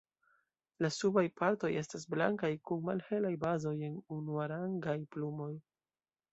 La subaj partoj estas blankaj kun malhelaj bazoj en unuarangaj plumoj.